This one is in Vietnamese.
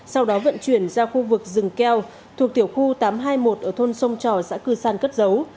sau đó vận chuyển ra khu vực rừng keo thuộc tiểu khu tám trăm hai mươi một ở thôn sông trò xã cư san cất giấu